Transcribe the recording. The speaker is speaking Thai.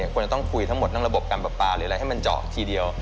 ควรจะต้องคุยทั้งหมดเรื่องระบบการประปาหรืออะไรให้มันเจาะทีเดียว